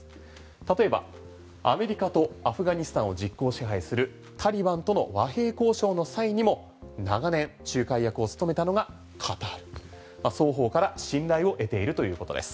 例えばアメリカとアフガニスタンを実効支配するタリバンとの和平交渉の際にも長年、仲介役を務めたのが双方から信頼を得ているということです。